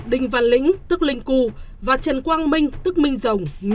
đinh văn lĩnh tức linh cu và trần quang minh tức minh rồng nhận bản án tự hình